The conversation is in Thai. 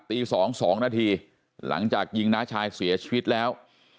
ตี๒๒นาทีหลังจากยิงน้าชายเสียชีวิตแล้ว